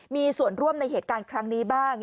มีส่วนร่วมในเหตุการณ์ครั้งนี้บ้าง